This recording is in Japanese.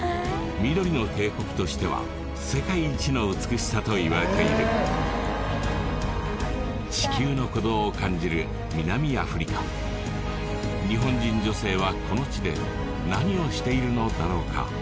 緑の渓谷としては世界一の美しさといわれている地球の鼓動を感じる南アフリカ日本人女性はこの地で何をしているのだろうか？